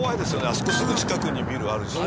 あそこすぐ近くにビルあるし。